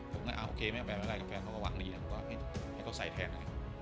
ผมขอว่าไม่เป็นไรแฟนแล้วก็หวังลีให้เขาใส่แทน